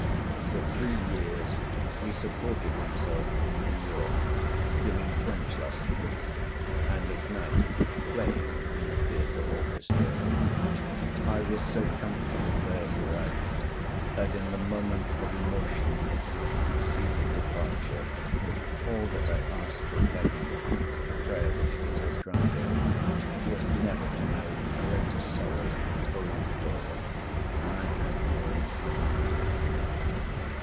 For three years he supported himself in New York, giving French lessons and at night playing in a theatre orchestra. "I was so comfortable there," he writes, "that in the moment of emotion which preceded departure, all that I asked of Heaven (a prayer which it has granted) was never to know greater sorrow in the Old World than I had known in the New."